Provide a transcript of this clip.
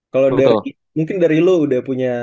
kalo dari mungkin dari lu udah punya